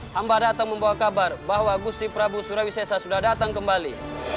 hamba datang membawa kabar bahwa gusti prabu surawisesa sudah datang kembali